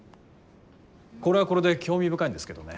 これはこれで興味深いんですけどね。